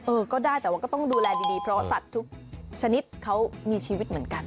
ก็ได้แต่ว่าก็ต้องดูแลดีเพราะสัตว์ทุกชนิดเขามีชีวิตเหมือนกัน